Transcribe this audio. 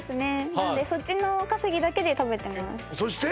なんでそっちの稼ぎだけで食べてますそして？